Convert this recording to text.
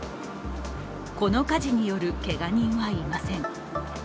この火事によるけが人はいません。